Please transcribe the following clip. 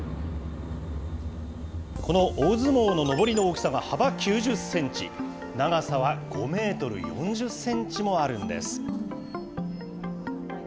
この大相撲ののぼりの大きさが幅９０センチ、長さは５メートル４０センチもあるんです。